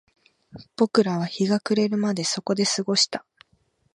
僕らは日が暮れるまでそこで過ごした